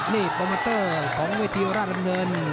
นี่โปรเมอร์เตอร์ของวิทยุราตรรำเดิน